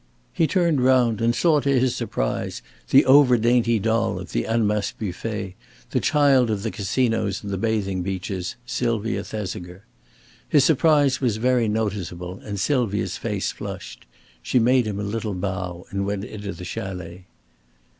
He turned round and saw to his surprise the over dainty doll of the Annemasse buffet, the child of the casinos and the bathing beaches, Sylvia Thesiger. His surprise was very noticeable and Sylvia's face flushed. She made him a little bow and went into the chalet.